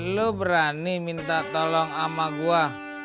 lo berani minta tolong ama gua